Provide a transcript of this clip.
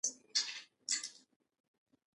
هندوکش د نجونو د پرمختګ فرصتونه دي.